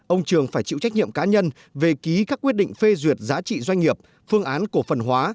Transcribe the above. ông trường phải chịu trách nhiệm cá nhân về ký các quyết định phê duyệt giá trị doanh nghiệp phương án cổ phần hóa